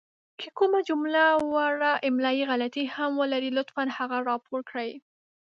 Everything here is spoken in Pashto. که کومه جمله وړه املائې غلطې هم ولري لطفاً هغه راپور کړئ!